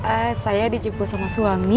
eh saya dijemput sama suami